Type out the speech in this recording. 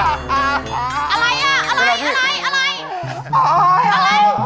อะไรละเป็นอะไรที่